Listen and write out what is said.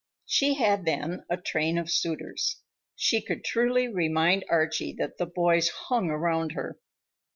She had then a train of suitors. She could truly remind Archie that "the boys hung around her."